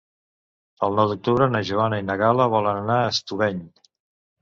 El nou d'octubre na Joana i na Gal·la volen anar a Estubeny.